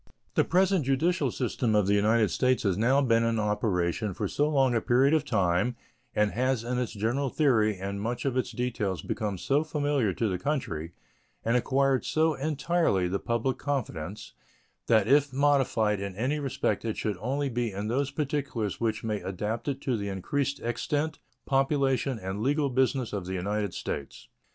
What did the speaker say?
The present judicial system of the United States has now been in operation for so long a period of time and has in its general theory and much of its details become so familiar to the country and acquired so entirely the public confidence that if modified in any respect it should only be in those particulars which may adapt it to the increased extent, population, and legal business of the United States.